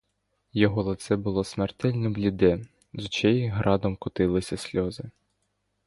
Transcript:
Його лице було смертельно бліде, з очей градом котилися сльози.